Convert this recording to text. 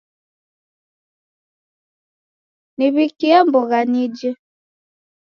Niw'ikie mbogha nije.